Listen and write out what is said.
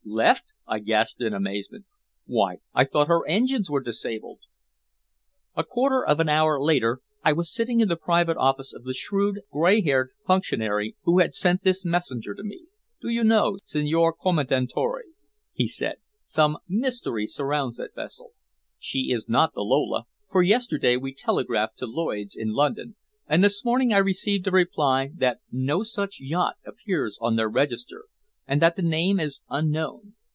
"Left!" I gasped in amazement "Why, I thought her engines were disabled!" A quarter of an hour later I was sitting in the private office of the shrewd, gray haired functionary who had sent this messenger to me. "Do you know, Signor Commendatore," he said, "some mystery surrounds that vessel. She is not the Lola, for yesterday we telegraphed to Lloyd's, in London, and this morning I received a reply that no such yacht appears on their register, and that the name is unknown.